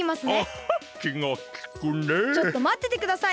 ちょっとまっててください。